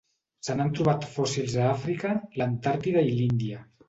Se n'han trobat fòssils a Àfrica, l'Antàrtida i l'Índia.